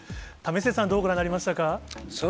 為末さん、どうご覧になりました